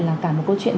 là cả một câu chuyện